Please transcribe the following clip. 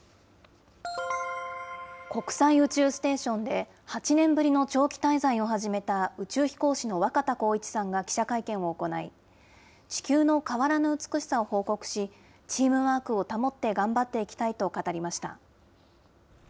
国際宇宙ステーションで、８年ぶりの長期滞在を始めた宇宙飛行士の若田光一さんが記者会見を行い、地球の変わらぬ美しさを報告し、チームワークを保って頑張っていきたいと語りました。